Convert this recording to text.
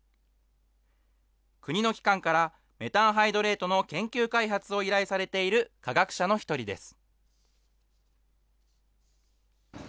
国の機関からメタンハイドレートの研究開発を依頼されている科学者の１人です。